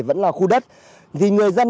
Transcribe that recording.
vẫn là khu đất vì người dân